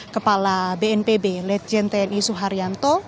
kepala bnpb lejen tni suharyanto